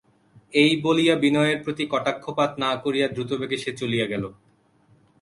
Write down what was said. এই বলিয়া বিনয়ের প্রতি কটাক্ষপাত মাত্র না করিয়া দ্রুতবেগে সে চলিয়া গেল।